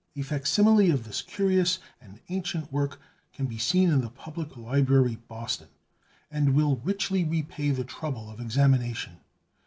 A fac simile of this curious and ancient work can be seen in the Public Library, Boston, and will richly repay the trouble of examination.